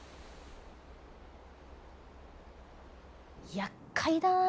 やっかいだなあ